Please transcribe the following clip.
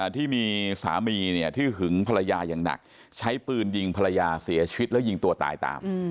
ที่มีสามีที่หึงภรรยาอย่างหนักใช้ปืนยิงภรรยาเสียชีวิตแล้วยิงตัวตายตาม